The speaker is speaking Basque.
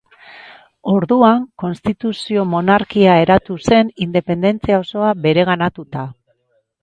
Orduan, konstituzio-monarkia eratu zen, independentzia osoa bereganatuta.